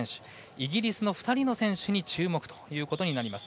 イギリスの２人の選手に注目です。